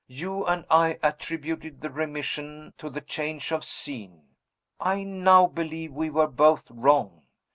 You and I attributed the remission to the change of scene. I now believe we were both wrong.